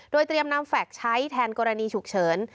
โดยเตรียมนำแฟคใช้แทนกรณีฉุกเฉิน